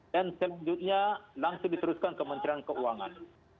dan selanjutnya langsung diteruskan ke kementerian keuangan